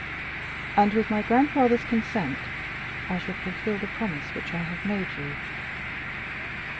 "And with my grandfather's consent I shall fulfil the promise which I have made you."